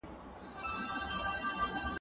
موږ بايد د هېواد د راتلونکي لپاره په ګډه فکر وکړو.